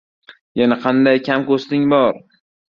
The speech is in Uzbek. — Yana qanday kam-ko‘stingiz bor?